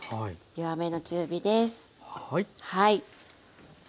弱めの中火です。